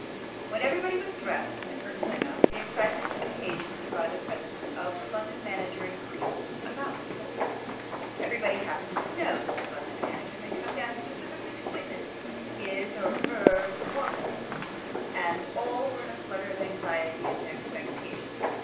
When everybody was dressed and the curtain went up, the excitement occasioned by the presence of the London manager increased a thousand fold. Everybody happened to know that the London manager had come down specially to witness his or her own performance, and all were in a flutter of anxiety and expectation.